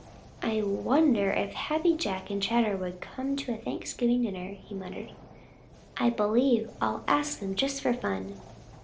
"I wonder if Happy Jack and Chatterer would come to a Thanksgiving dinner," he muttered. "I believe I'll ask them just for fun."